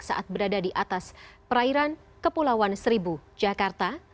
saat berada di atas perairan kepulauan seribu jakarta